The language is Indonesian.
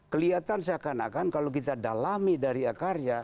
kelihatan seakan akan kalau kita dalami dari akarnya